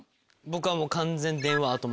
僕はもう完全に。